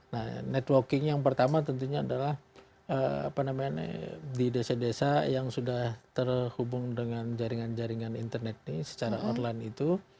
nah networking yang pertama tentunya adalah di desa desa yang sudah terhubung dengan jaringan jaringan internet ini secara online itu